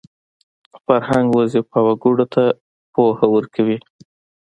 فرهنګ وظیفه وګړو ته پوهه ورکوي